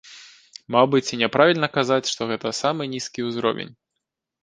Мабыць, і няправільна казаць, што гэта самы нізкі ўзровень.